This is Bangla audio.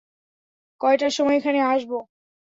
কয়টার সময় এখানে আসবো?